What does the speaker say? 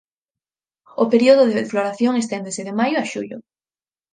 O período de floración esténdese de maio a xullo.